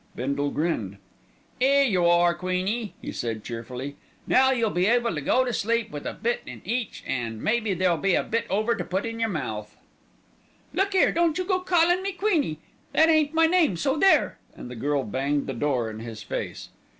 Bindle grinned. "'Ere you are, Queenie," he said cheerfully. "Now you'll be able to go to sleep with a bit in each 'and, an' maybe there'll be a bit over to put in your mouth." "Look 'ere, don't you go callin' me 'Queenie'; that ain't my name, so there," and the girl banged the door in his face.